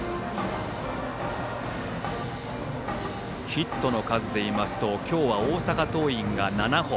ヒットの数でいいますと今日は大阪桐蔭が７本。